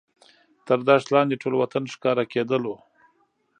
تر دښت لاندې ټول وطن ښکاره کېدو.